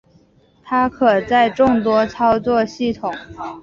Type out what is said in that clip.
它可在众多操作系统。